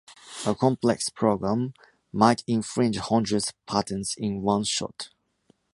A complex program might infringe hundreds of patents in one shot.